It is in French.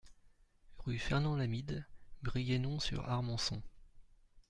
Rue Fernand Lamide, Brienon-sur-Armançon